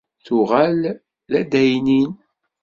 Tuɣal d addaynin.